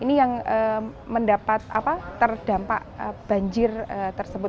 ini yang mendapat terdampak banjir tersebut